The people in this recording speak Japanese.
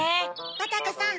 バタコさん